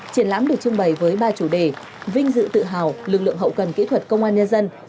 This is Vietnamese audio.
triển lãm được trưng bày với ba chủ đề vinh dự tự hào lực lượng hậu cần kỹ thuật công an nhân dân